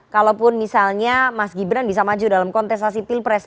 kalaupun misalnya mas gibran bisa maju dalam kontestasi pilpres